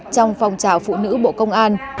trong phong trào phụ nữ bộ công an